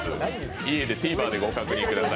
家でＴＶｅｒでご確認ください。